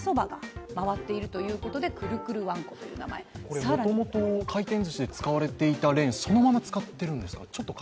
これ、もともと回転ずしで使われていたレーンをそのまま使っているんですか。